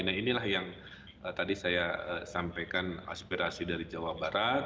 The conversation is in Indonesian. nah inilah yang tadi saya sampaikan aspirasi dari jawa barat